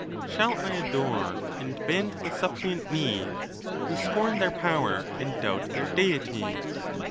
Shall I adore, and bend tlie suppliant knee, Who scorn their power and doubt their deity?